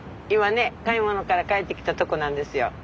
今ね買い物から帰ってきたとこなんですよ。